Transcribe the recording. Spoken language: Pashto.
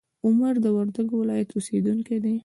عمر د وردګو ولایت اوسیدونکی دی.